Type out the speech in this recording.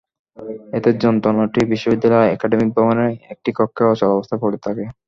এতে যন্ত্রটি বিশ্ববিদ্যালয়ের একাডেমিক ভবনের একটি কক্ষে অচল অবস্থায় পড়ে থাকে।